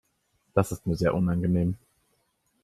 Das ist mir sehr unangenehm.